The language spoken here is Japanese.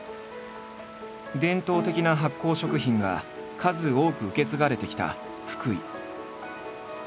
伝統的な発酵食品が数多く受け継がれてきた福井。